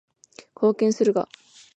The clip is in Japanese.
貢献するが